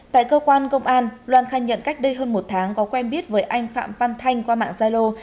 tại cơ quan công an loan khai nhận cách đây hơn một tháng có quen biết với anh phạm văn thanh qua mạng gia lô